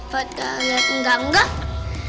bagaimana lihat enggak enggak